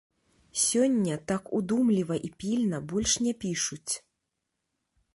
Сёння так удумліва і пільна больш не пішуць.